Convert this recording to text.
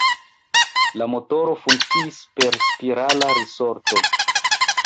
La motoro funkciis per spirala risorto.